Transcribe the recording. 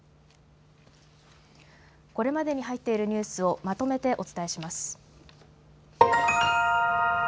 これまでに入っているニュースをまとめてお伝えします。